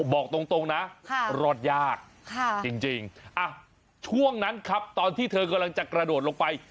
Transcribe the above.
บอกตรงนะรอดยากจริงช่วงนั้นครับตอนที่เธอกำลังจะกระโดดลงไป